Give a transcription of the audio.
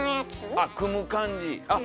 あっ組む感じ？